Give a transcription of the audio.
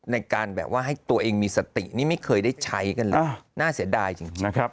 ในการแบบว่าให้ตัวเองมีสตินี่ไม่เคยได้ใช้กันเลยน่าเสียดายจริงนะครับ